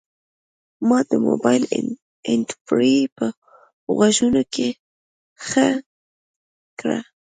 ما د موبایل هینډفري په غوږونو کې ښخه کړه.